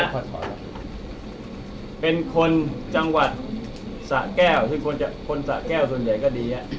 ประวัติในคนนี้นะเป็นคนจังหวัดสะแก้วซึ่งคนสะแก้วส่วนใหญ่ก็ดี